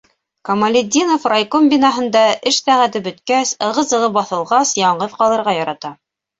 Камалетдинов райком бинаһында эш сәғәте бөткәс, ығы- зығы баҫылғас яңғыҙ ҡалырға ярата.